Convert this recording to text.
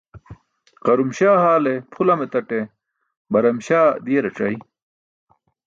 Quram śaa haale pʰu lam etaṭe, baram śaa diẏarac̣aya?